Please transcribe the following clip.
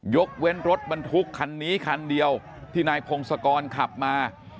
ยกเว้นรถบรรทุกคันนี้คันเดียวที่นายพงศกรขับมา